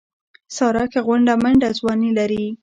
ساره ښه غونډه منډه ځواني لري.